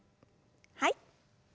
はい。